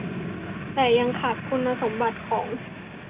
แต่ยังขาดคุณสมบัติของ